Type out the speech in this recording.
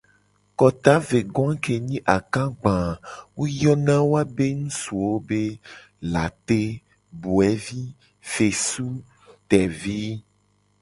Kota ve go a ke nyi akagba a wo yona woabe ngusuwo be : late, boevi, fesu, tevi.